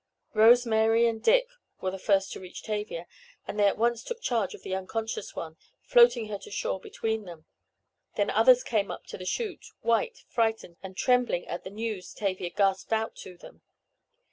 Rose Mary and Dick were the first to reach Tavia, and they at once took charge of the unconscious one, floating her to shore between them. Then others came up to the chute, white, frightened and trembling at the news Tavia gasped out to them.